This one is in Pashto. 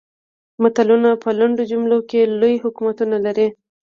متلونه په لنډو جملو کې لوی حکمتونه لري